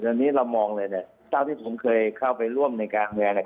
ท่านี้เรามองเลยเนี้ยเด้อที่ผมเคยเข้าไปร่วมในกลางแหงแห่ง